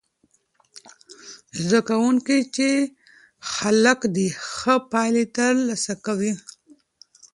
زده کوونکي چې خلاق دي، ښه پایلې ترلاسه کوي.